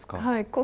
はい。